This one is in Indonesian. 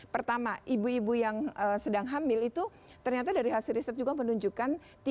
pertama ibu ibu yang sedang hamil itu ternyata dari hasil riset juga menunjukkan